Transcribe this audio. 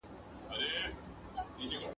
تاسي په خپلو خبرو کي ادب ساتئ.